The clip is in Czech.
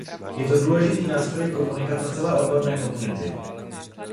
Je to důležitý nástroj komunikace celé odborné komunity.